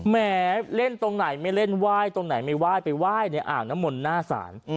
แหมเล่นตรงไหนไม่เล่นไหว้ตรงไหนไม่ไหว้ไปไหว้ในอ่างน้ำมนต์หน้าศาล